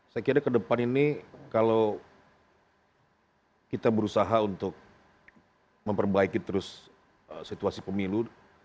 saya kira ke depan ini kalau kita berusaha untuk memperbaiki terus situasi pemilu